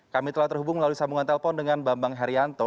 kami telah terhubung melalui sambungan telpon dengan bambang herianto